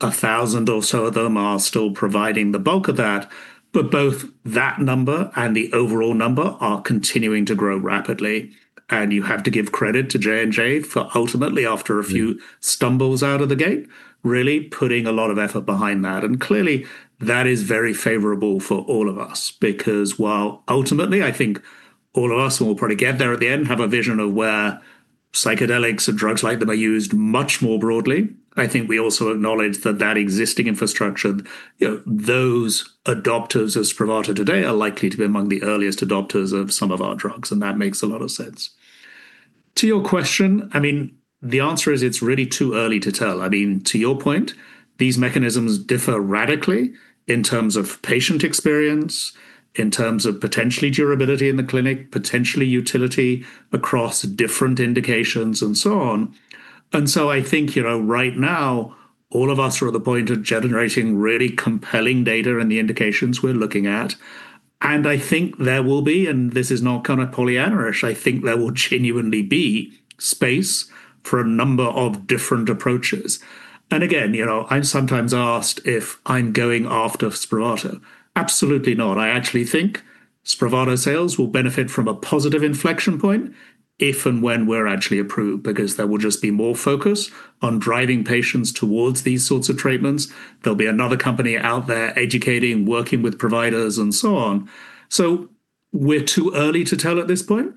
S2: 1,000 or so of them are still providing the bulk of that, but both that number and the overall number are continuing to grow rapidly, and you have to give credit to J&J for ultimately, after a few stumbles out of the gate, really putting a lot of effort behind that. Clearly that is very favorable for all of us because while ultimately I think all of us will probably get there at the end, have a vision of where psychedelics and drugs like them are used much more broadly. I think we also acknowledge that that existing infrastructure, you know, those adopters as Spravato today are likely to be among the earliest adopters of some of our drugs, and that makes a lot of sense. To your question, I mean, the answer is it's really too early to tell. I mean, to your point, these mechanisms differ radically in terms of patient experience, in terms of potentially durability in the clinic, potentially utility across different indications and so on. I think, you know, right now all of us are at the point of generating really compelling data in the indications we're looking at. I think there will be, and this is not kind of pollyannaish, I think there will genuinely be space for a number of different approaches. Again, you know, I'm sometimes asked if I'm going after Spravato. Absolutely not. I actually think Spravato sales will benefit from a positive inflection point if and when we're actually approved, because there will just be more focus on driving patients towards these sorts of treatments. There'll be another company out there educating, working with providers and so on. So we're too early to tell at this point,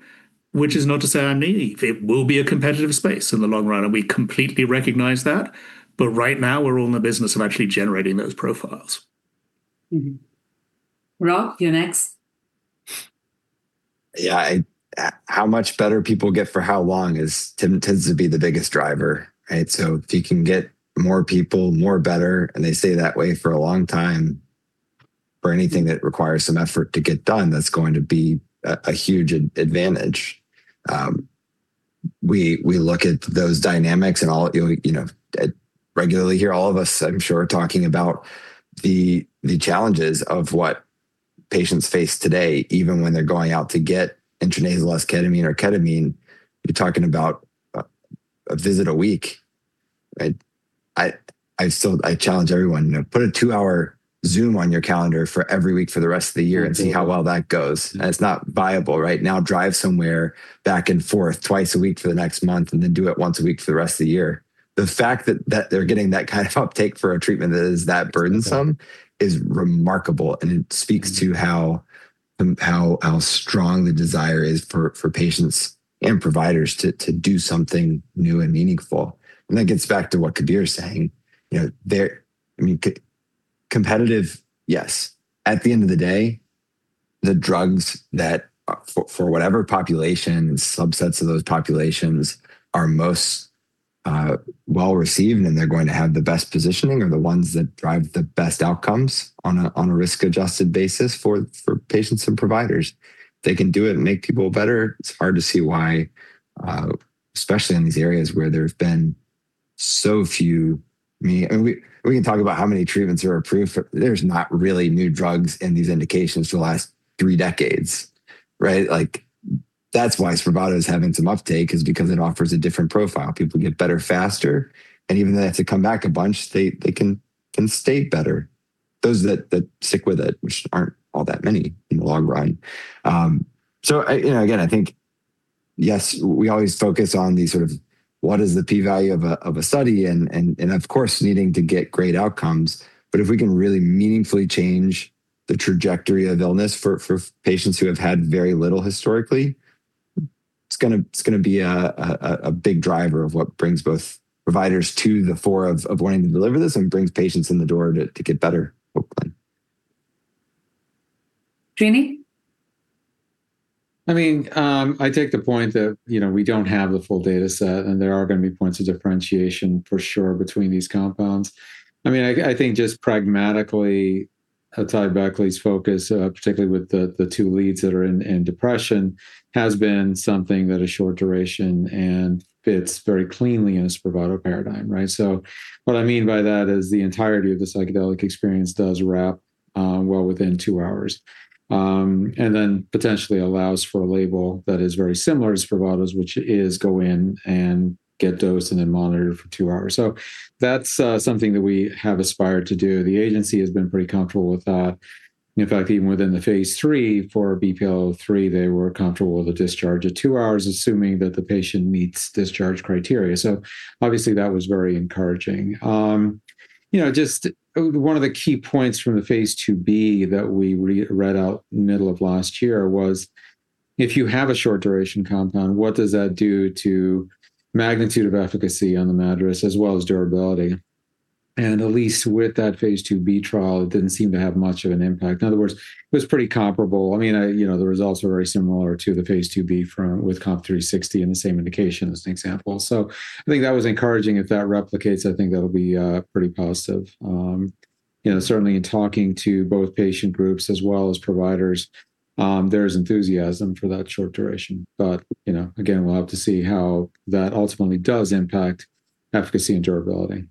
S2: which is not to say I'm needy. It will be a competitive space in the long run, and we completely recognize that. But right now we're all in the business of actually generating those profiles.
S1: Rob, you're next.
S3: Yeah. I, how much better people get for how long tends to be the biggest driver, right? If you can get more people more better, and they stay that way for a long time, for anything that requires some effort to get done, that's going to be a huge advantage. We look at those dynamics and all, you know, regularly here, all of us, I'm sure, are talking about the challenges of what patients face today, even when they're going out to get intranasal esketamine or ketamine. You're talking about a visit a week, right? I still challenge everyone, you know, put a two-hour Zoom on your calendar for every week for the rest of the year and see how well that goes, and it's not viable right now. Drive somewhere back and forth twice a week for the next month, and then do it once a week for the rest of the year. The fact that they're getting that kind of uptake for a treatment that is that burdensome is remarkable, and it speaks to how, how strong the desire is for patients and providers to do something new and meaningful. And that gets back to what Kabir's saying. You know, they're... I mean, c-competitive, yes. At the end of the day, the drugs that, uh, for whatever population and subsets of those populations are most, uh, well-received and they're going to have the best positioning are the ones that drive the best outcomes on a, on a risk-adjusted basis for patients and providers. They can do it and make people better. It's hard to see why, especially in these areas where there have been so few. I mean, we can talk about how many treatments are approved for. There's not really new drugs in these indications for the last three decades, right? That's why Spravato is having some uptake is because it offers a different profile. People get better faster, and even though they have to come back a bunch, they can stay better. Those that stick with it, which aren't all that many in the long run. You know, again, I think, yes, we always focus on the sort of what is the p-value of a study and of course, needing to get great outcomes. if we can really meaningfully change the trajectory of illness for patients who have had very little historically, it's gonna be a big driver of what brings both providers to the fore of wanting to deliver this and brings patients in the door to get better, hopefully.
S1: Srini?
S4: I mean, I take the point that, you know, we don't have the full data set, and there are gonna be points of differentiation for sure between these compounds. I mean, I think just pragmatically, AtaiBeckley's focus, particularly with the two leads that are in depression, has been something that is short duration and fits very cleanly in a Spravato paradigm, right? What I mean by that is the entirety of the psychedelic experience does wrap well within two hours. Potentially allows for a label that is very similar to Spravato's, which is go in and get dosed and then monitored for two hours. That's something that we have aspired to do. The Agency has been pretty comfortable with that. In fact, even within the phase III for BPL-003, they were comfortable with a discharge at two hours, assuming that the patient meets discharge criteria. Obviously, that was very encouraging. You know, just one of the key points from the phase II-B that we re-read out middle of last year was, if you have a short duration compound, what does that do to magnitude of efficacy on the MADRS, as well as durability? At least with that phase II-B trial, it didn't seem to have much of an impact. In other words, it was pretty comparable. I mean, you know, the results were very similar to the phase II-B with COMP360 and the same indication as an example. I think that was encouraging. If that replicates, I think that'll be pretty positive. You know, certainly in talking to both patient groups as well as providers, there's enthusiasm for that short duration. You know, again, we'll have to see how that ultimately does impact efficacy and durability.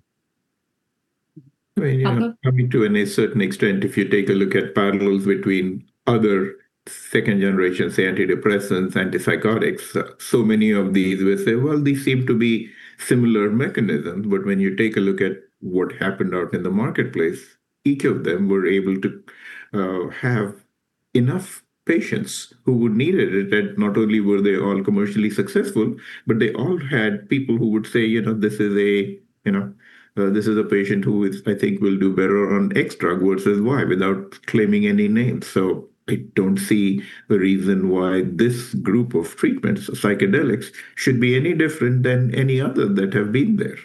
S1: Atul?
S5: I mean, you know, I mean, to any certain extent, if you take a look at parallels between other second generation, say antidepressants, antipsychotics, so many of these we say, Well, these seem to be similar mechanisms, but when you take a look at what happened out in the marketplace, each of them were able to have enough patients who would need it, that not only were they all commercially successful, but they all had people who would say, you know, This is a, you know, this is a patient I think will do better on X drug versus Y, without claiming any names. I don't see a reason why this group of treatments, psychedelics, should be any different than any other that have been there.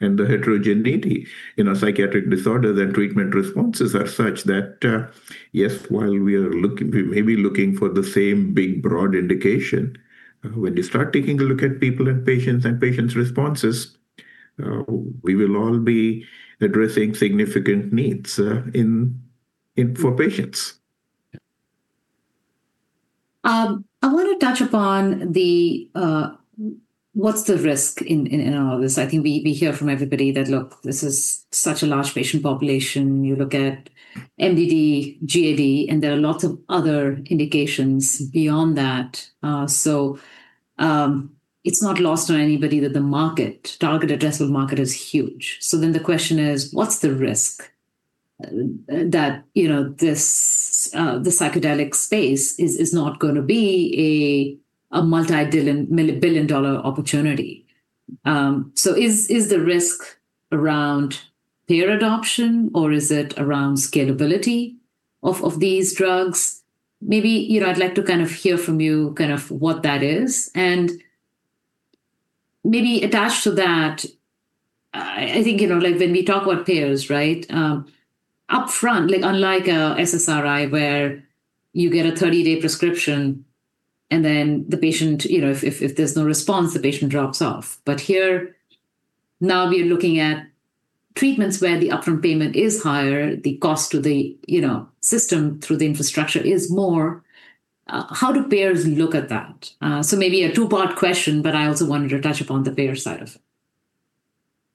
S5: The heterogeneity in a psychiatric disorder, the treatment responses are such that, yes, while we may be looking for the same big broad indication, when you start taking a look at people and patients and patients' responses, we will all be addressing significant needs for patients.
S1: I wanna touch upon what's the risk in all this. I think we hear from everybody that, Look, this is such a large patient population. You look at MDD, GAD, and there are lots of other indications beyond that. It's not lost on anybody that the market, target addressable market is huge. The question is, what's the risk that this psychedelic space is not gonna be a billion-dollar opportunity? Is the risk around payer adoption, or is it around scalability of these drugs? Maybe, you know, I'd like to kind of hear from you kind of what that is. Maybe attached to that, I think, you know, like, when we talk about payers, right? Upfront, like, unlike a SSRI where you get a 30-day prescription and then the patient, you know, if there's no response, the patient drops off. Here, now we are looking at treatments where the upfront payment is higher, the cost to the, you know, system through the infrastructure is more, how do payers look at that? Maybe a two-part question, but I also wanted to touch upon the payer side of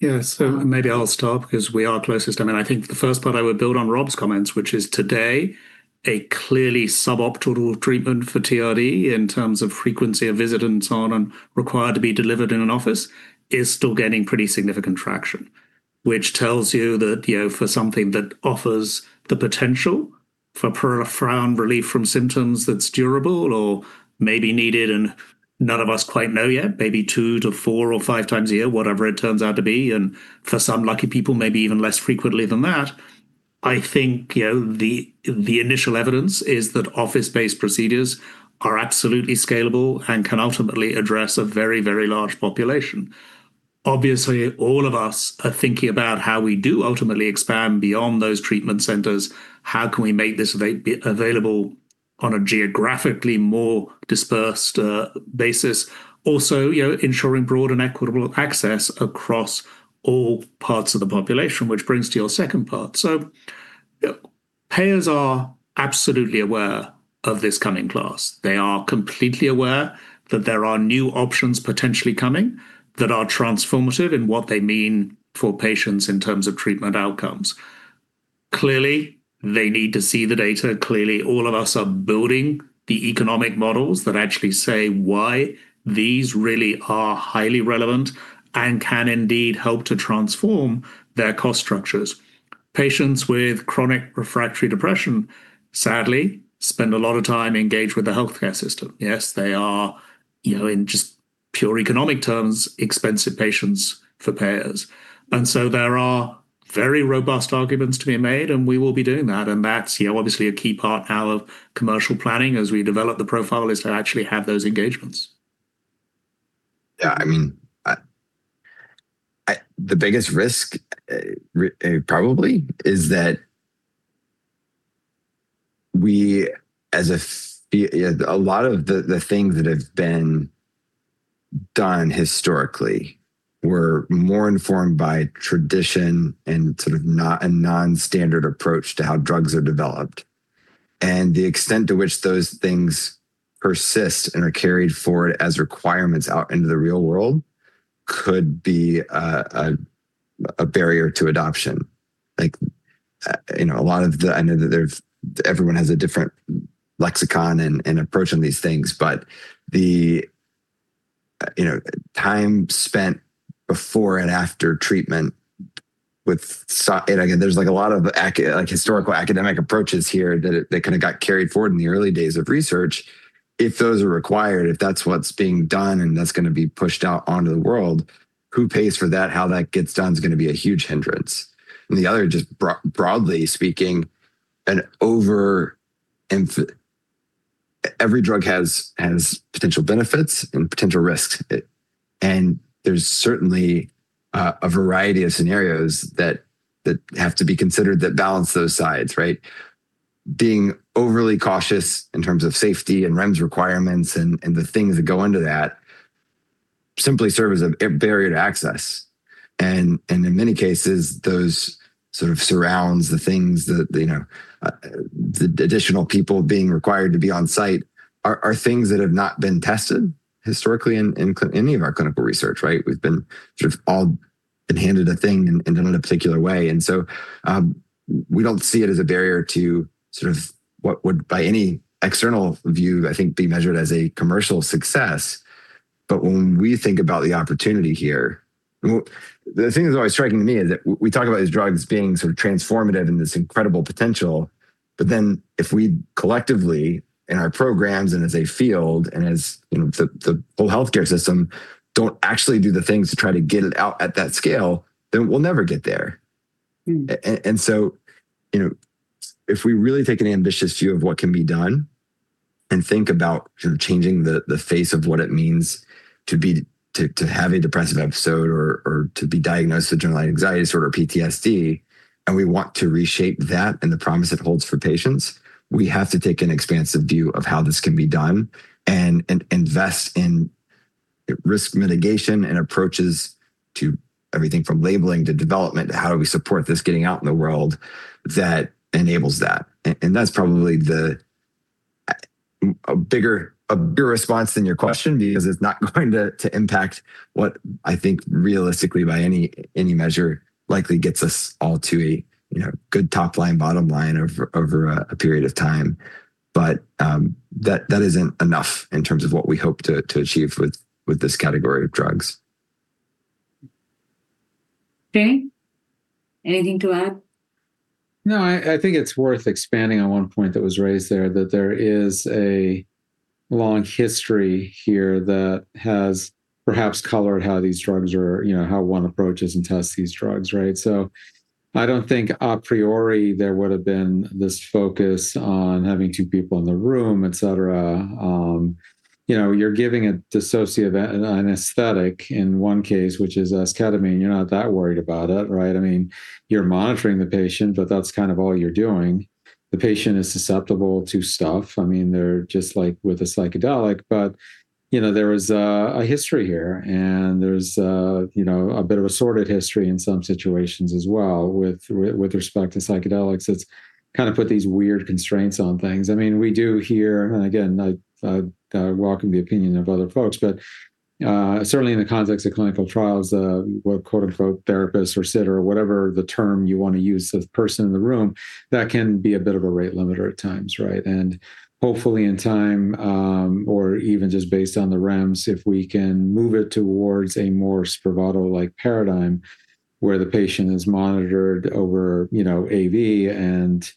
S1: it.
S2: Maybe I'll start because we are closest. I mean, I think the first part I would build on Rob's comments, which is today, a clearly suboptimal treatment for TRD in terms of frequency of visit and so on, and required to be delivered in an office, is still getting pretty significant traction, which tells you that, you know, for something that offers the potential for profound relief from symptoms that's durable or maybe needed, and none of us quite know yet, maybe two to four or five times a year, whatever it turns out to be, and for some lucky people, maybe even less frequently than that. I think, you know, the initial evidence is that office-based procedures are absolutely scalable and can ultimately address a very, very large population. Obviously, all of us are thinking about how we do ultimately expand beyond those treatment centers. How can we make this available on a geographically more dispersed, basis? Also, you know, ensuring broad and equitable access across all parts of the population, which brings to your second part. Payers are absolutely aware of this coming class. They are completely aware that there are new options potentially coming that are transformative in what they mean for patients in terms of treatment outcomes. Clearly, they need to see the data. Clearly, all of us are building the economic models that actually say why these really are highly relevant and can indeed help to transform their cost structures. Patients with chronic refractory depression, sadly, spend a lot of time engaged with the healthcare system. Yes, they are, you know, in just pure economic terms, expensive patients for payers. There are very robust arguments to be made, and we will be doing that, and that's, you know, obviously a key part out of commercial planning as we develop the profile is to actually have those engagements.
S3: Yeah, I mean, I, the biggest risk probably is that we as a you know, a lot of the things that have been done historically were more informed by tradition and sort of a non-standard approach to how drugs are developed, and the extent to which those things persist and are carried forward as requirements out into the real world could be a barrier to adoption. Like, you know, I know that everyone has a different lexicon and approach on these things. You know, and again, there's like a lot of historical academic approaches here that kinda got carried forward in the early days of research. If those are required, if that's what's being done and that's gonna be pushed out onto the world, who pays for that? How that gets done is gonna be a huge hindrance. The other, just broadly speaking, every drug has potential benefits and potential risks. There's certainly a variety of scenarios that have to be considered that balance those sides, right? Being overly cautious in terms of safety and REMS requirements and the things that go into that simply serve as a barrier to access. In many cases, those sort of surrounds the things that, you know, the additional people being required to be on site are things that have not been tested historically in any of our clinical research, right? We've been sort of all handed a thing in a particular way. We don't see it as a barrier to sort of what would by any external view, I think be measured as a commercial success. When we think about the opportunity here, the thing that's always striking to me is that we talk about these drugs being sort of transformative and this incredible potential, if we collectively in our programs and as a field and as, you know, the whole healthcare system don't actually do the things to try to get it out at that scale, then we'll never get there.
S1: Mm.
S3: You know, if we really take an ambitious view of what can be done and think about changing the face of what it means to have a depressive episode or to be diagnosed with generalized anxiety disorder or PTSD, and we want to reshape that and the promise it holds for patients, we have to take an expansive view of how this can be done and invest in risk mitigation and approaches to everything from labeling to development to how do we support this getting out in the world that enables that. That's probably a bigger response than your question because it's not going to impact what I think realistically by any measure likely gets us all to a, you know, good top line, bottom line over a period of time. But, um, that isn't enough in terms of what we hope to achieve with this category of drugs.
S1: Srini, anything to add?
S4: No, I think it's worth expanding on one point that was raised there, that there is a long history here that has perhaps colored how these drugs are, you know, how one approaches and tests these drugs, right? So I don't think a priori there would've been this focus on having two people in the room, et cetera. Um, you know, you're giving a dissociative anesthetic in one case, which is esketamine. You're not that worried about it, right? I mean, you're monitoring the patient, but that's kind of all you're doing. The patient is susceptible to stuff. I mean, they're just like with a psychedelic. But, you know, there is a history here and there's, uh, you know, a bit of a sordid history in some situations as well with respect to psychedelics, that's kind of put these weird constraints on things. I mean, we do hear, and again, I welcome the opinion of other folks, but certainly in the context of clinical trials, what quote, unquote therapist or sitter or whatever the term you want to use of person in the room, that can be a bit of a rate limiter at times, right? Hopefully in time, or even just based on the REMS, if we can move it towards a more Spravato-like paradigm where the patient is monitored over, you know, AV and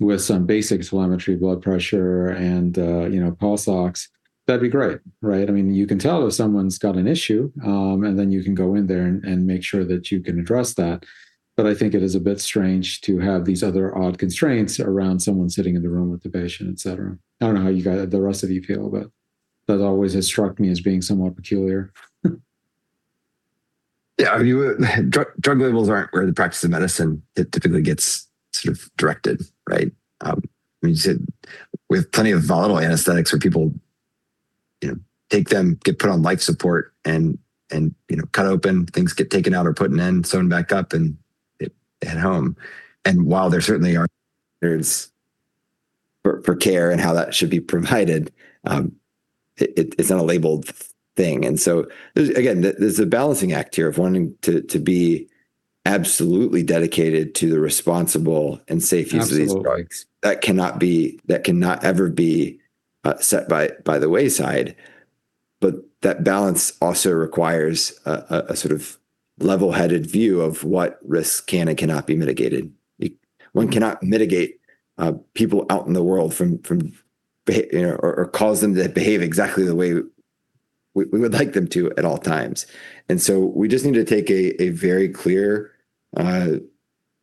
S4: with some basic telemetry blood pressure and pulse oximeter, that'd be great, right? I mean, you can tell if someone's got an issue, and then you can go in there and make sure that you can address that. I think it is a bit strange to have these other odd constraints around someone sitting in the room with the patient, et cetera. I don't know how the rest of you feel, but that always has struck me as being somewhat peculiar.
S3: Yeah. I mean, drug labels aren't where the practice of medicine that typically gets sort of directed, right? I mean, you sit with plenty of volatile anesthetics where people, you know, take them, get put on life support and, you know, cut open, things get taken out or put in, sewn back up and they head home. While there certainly are there's for care and how that should be provided, it's not a labeled thing. So there's, again, there's a balancing act here of wanting to be absolutely dedicated to the responsible and safe use of these
S4: Absolutely
S3: drugs. That cannot be, that cannot ever be set by the wayside, but that balance also requires a sort of level-headed view of what risks can and cannot be mitigated. One cannot mitigate people out in the world from, or cause them to behave exactly the way we would like them to at all times. We just need to take a very clear, you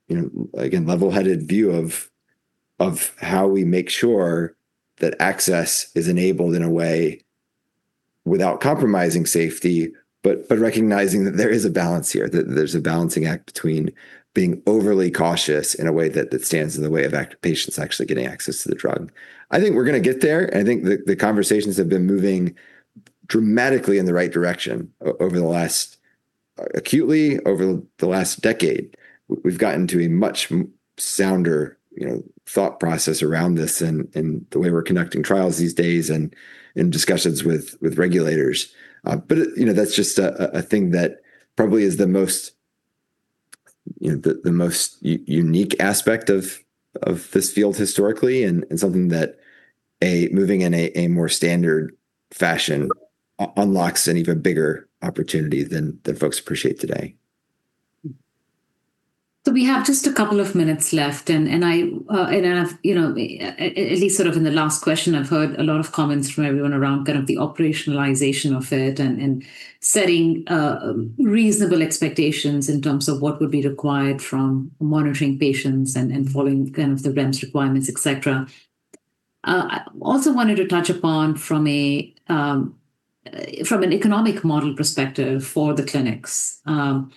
S3: know, again, level-headed view of how we make sure that access is enabled in a way without compromising safety, but recognizing that there is a balance here. That there's a balancing act between being overly cautious in a way that stands in the way of patients actually getting access to the drug. I think we're gonna get there, I think the conversations have been moving dramatically in the right direction acutely over the last decade. We've gotten to a much sounder, you know, thought process around this in the way we're conducting trials these days and in discussions with regulators. You know, that's just a thing that probably is the most, you know, the most unique aspect of this field historically and something that moving in a more standard fashion unlocks an even bigger opportunity than folks appreciate today.
S1: So we have just a couple of minutes left, and I, uh, and I've, you know, at least sort of in the last question, I've heard a lot of comments from everyone around kind of the operationalization of it and setting, uh, reasonable expectations in terms of what would be required from monitoring patients and following kind of the REMS requirements, et cetera. Uh, I also wanted to touch upon from a, um, from an economic model perspective for the clinics. Um,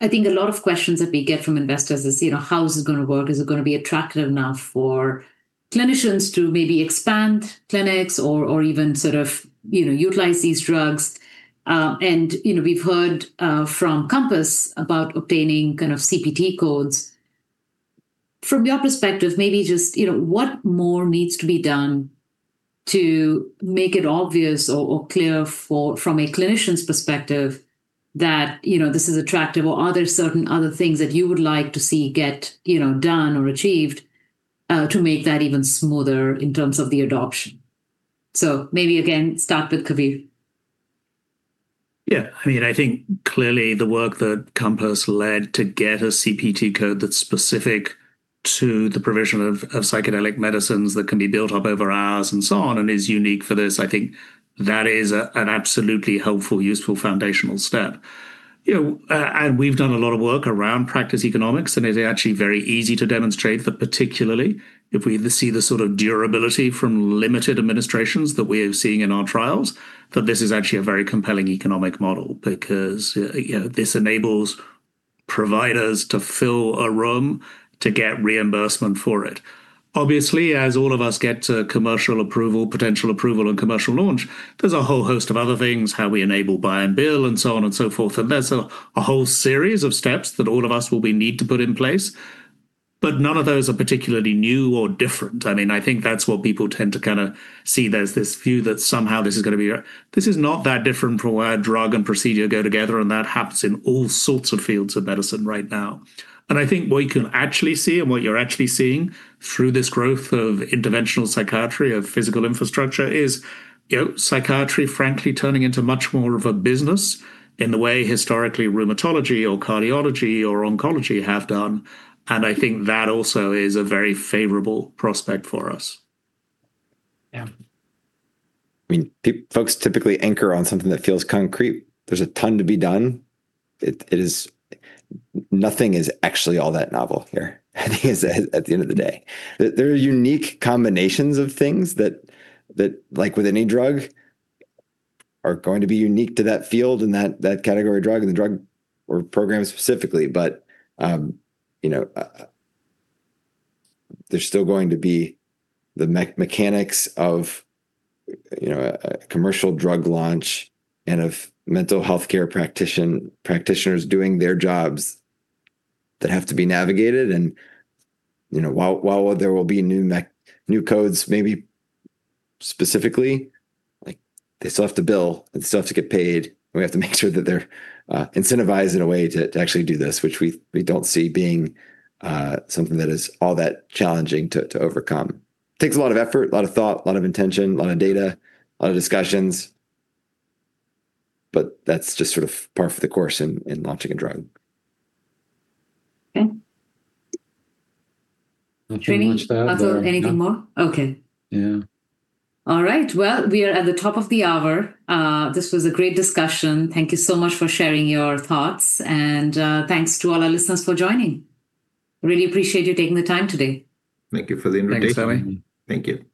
S1: I think a lot of questions that we get from investors is, you know, how is this gonna work? Is it gonna be attractive enough for clinicians to maybe expand clinics or even sort of, you know, utilize these drugs? You know, we've heard from COMPASS about obtaining kind of CPT codes. From your perspective, maybe just, you know, what more needs to be done to make it obvious or clear from a clinician's perspective that, you know, this is attractive? Are there certain other things that you would like to see get, you know, done or achieved to make that even smoother in terms of the adoption? Maybe again, start with Kabir.
S2: Yeah. I mean, I think clearly the work that COMPASS led to get a CPT code that's specific to the provision of psychedelic medicines that can be built up over hours and so on and is unique for this, I think that is an absolutely helpful, useful, foundational step. You know, and we've done a lot of work around practice economics, and it is actually very easy to demonstrate that particularly if we see the sort of durability from limited administrations that we're seeing in our trials, that this is actually a very compelling economic model because, you know, this enables providers to fill a room to get reimbursement for it. Obviously, as all of us get to commercial approval, potential approval and commercial launch, there's a whole host of other things, how we enable buy and bill and so on and so forth, and there's a whole series of steps that all of us will need to put in place, but none of those are particularly new or different. I mean, I think that's what people tend to kinda see. There's this view that somehow this is gonna be. This is not that different from where drug and procedure go together, and that happens in all sorts of fields of medicine right now. I think what you can actually see and what you're actually seeing through this growth of interventional psychiatry, of physical infrastructure is, you know, psychiatry frankly turning into much more of a business in the way historically rheumatology or cardiology or oncology have done, and I think that also is a very favorable prospect for us.
S1: Yeah.
S3: I mean, folks typically anchor on something that feels concrete. There's a ton to be done. It is. Nothing is actually all that novel here, I think is at the end of the day. There are unique combinations of things that, like with any drug, are going to be unique to that field and that category of drug and the drug or program specifically. There's still going to be the mechanics of a commercial drug launch and of mental healthcare practitioners doing their jobs that have to be navigated. You know, while there will be new codes maybe specifically, like they still have to bill, they still have to get paid, and we have to make sure that they're incentivized in a way to actually do this, which we don't see being something that is all that challenging to overcome. Takes a lot of effort, a lot of thought, a lot of intention, a lot of data, a lot of discussions, That's just sort of par for the course in launching a drug.
S1: Okay. Srini.
S4: Not too much to add.
S1: Anything more? Okay.
S4: Yeah.
S1: All right. Well, we are at the top of the hour. This was a great discussion. Thank you so much for sharing your thoughts and thanks to all our listeners for joining. Really appreciate you taking the time today.
S2: Thank you for the invitation.
S3: Thanks, Ami.
S2: Thank you. Bye.